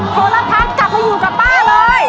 โทรทัศน์กลับไปอยู่กับป้าเลย